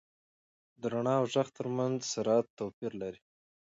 • د رڼا او ږغ تر منځ سرعت توپیر لري.